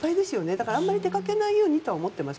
だからあまり出かけないようにとは思ってます。